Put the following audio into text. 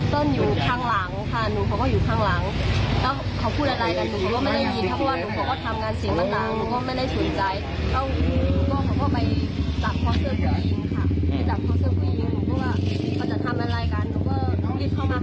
ต้นอยู่ข้างหลังค่ะหนูเขาก็อยู่ข้างหลังแล้วเขาพูดอะไรกัน